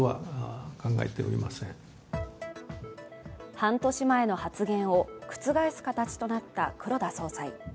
半年前の発言を覆す形となった黒田総裁。